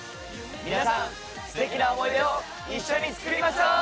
皆さん素敵な思い出を一緒に作りましょう！